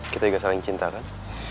kita juga saling cinta kan